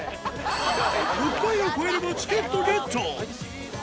６回を超えればチケットゲット。